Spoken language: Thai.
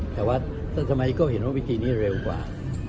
แต่ว่าสมัยก็เห็นว่าวิธีนี้เร็วกว่า